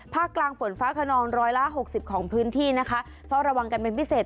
กลางฝนฟ้าขนองร้อยละหกสิบของพื้นที่นะคะเฝ้าระวังกันเป็นพิเศษ